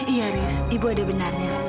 iya ris ibu ada benarnya